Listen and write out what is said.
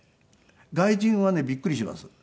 外国人はねびっくりします